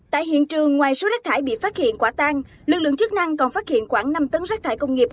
tại hiện trường ngoài số rác thải bị phát hiện quả tang lực lượng chức năng còn phát hiện khoảng năm tấn rác thải công nghiệp